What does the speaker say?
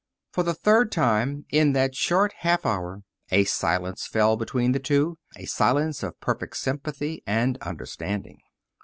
For the third time in that short half hour a silence fell between the two a silence of perfect sympathy and understanding.